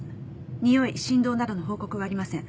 におい振動などの報告はありません。